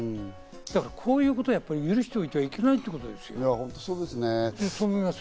こういうことを許しておいてはいけないんだと思います。